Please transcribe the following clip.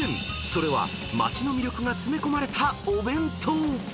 それは街の魅力が詰め込まれたお弁当］